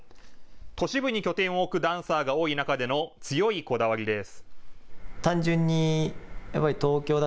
都市部に拠点を置くダンサーが多い中での強いこだわりです。